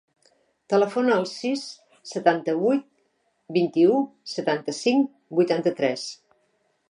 Telefona al sis, setanta-vuit, vint-i-u, setanta-cinc, vuitanta-tres.